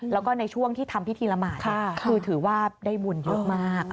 แล้วก็ในช่วงที่ทำพิธีละหมาดคือถือว่าได้บุญเยอะมาก